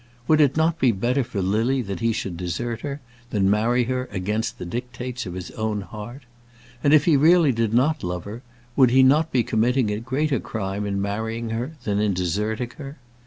Would it not be better for Lily that he should desert her, than marry her against the dictates of his own heart? And if he really did not love her, would he not be committing a greater crime in marrying her than in deserting her?